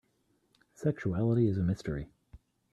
Sexuality is a mystery.